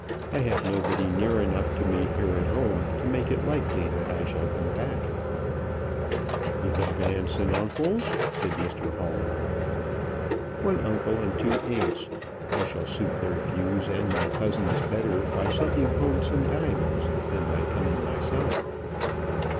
I have nobody near enough to me here at home to make it likely that I shall come back." "You have uncles and aunts?" said Mr Hall. "One uncle and two aunts. I shall suit their views and my cousins' better by sending home some diamonds than by coming myself."